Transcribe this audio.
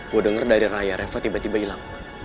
gue denger dari raya reva tiba tiba ilang